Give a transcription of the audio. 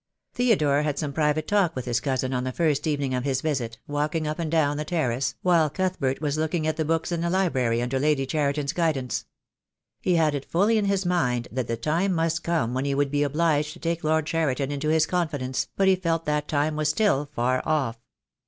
Theodore had some private talk with his cousin on the first evening of his visit, walking up and down the terrace, while Cuthbert was looking at the books in the library, under Lady Cheriton's guidance. He had it fully in his mind that the time must come when he would be obliged to take Lord Cheriton into his confidence, but he felt that time was still far off.